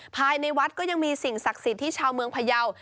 ภายในวัดก็ยังมีสิ่งศักดิ์สิทธิ์ที่ชาวเมืองพยาว